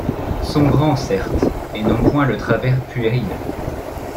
Sont grands, certe, et n'ont point le travers puéril